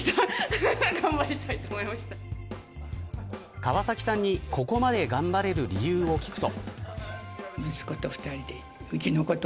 川崎さんにここまで頑張れる理由を聞くと。